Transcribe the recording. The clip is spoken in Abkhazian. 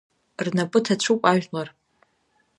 Рнапы ҭацәуп ажәлар.